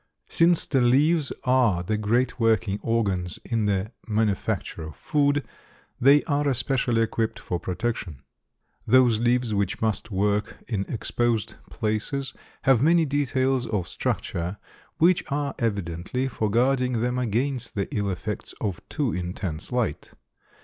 Since the leaves are the great working organs in the manufacture of food, they are especially equipped for protection. Those leaves which must work in exposed places have many details of structure which are evidently for guarding them against the ill effects of too intense light.